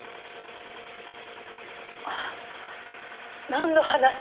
あなんの話？